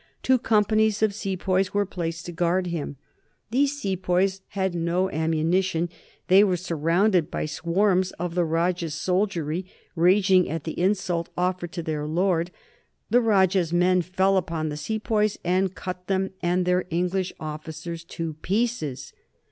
Two companies of sepoys were placed to guard him. These sepoys had no ammunition; they were surrounded by swarms of the Rajah's soldiery raging at the insult offered to their lord. The Rajah's men fell upon the sepoys and cut them and their English officers to pieces.